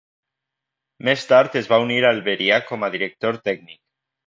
Més tard es va unir al Veria com a director tècnic.